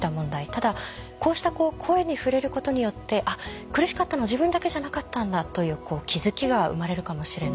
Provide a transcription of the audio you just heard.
ただこうした声に触れることによって「あっ苦しかったのは自分だけじゃなかったんだ」という気付きが生まれるかもしれない。